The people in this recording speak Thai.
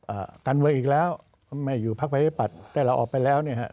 อ่ากันเวอร์อีกแล้วไม่อยู่พักภัยปรรตแต่เราออกไปแล้วเนี้ยฮะ